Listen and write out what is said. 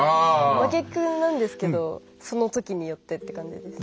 真逆なんですけどそのときによってって感じです。